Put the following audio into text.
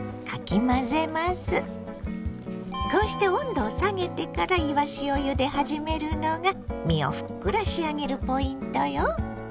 こうして温度を下げてからいわしをゆで始めるのが身をふっくら仕上げるポイントよ。